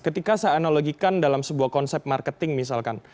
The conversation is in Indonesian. ketika saya analogikan dalam sebuah konsep marketing misalkan